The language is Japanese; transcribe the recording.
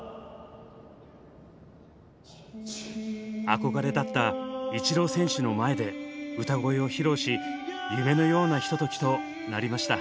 憧れだったイチロー選手の前で歌声を披露し夢のようなひとときとなりました。